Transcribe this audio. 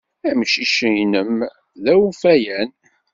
Amcic-nnem d awfayan.